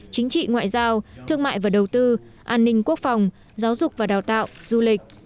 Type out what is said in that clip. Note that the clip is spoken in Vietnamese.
chính trị ngoại giao thương mại và đầu tư an ninh quốc phòng giáo dục và đào tạo du lịch